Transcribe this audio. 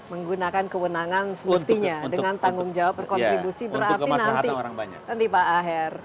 menggunakan kewenangan semestinya dengan tanggung jawab berkontribusi berarti nanti pak aher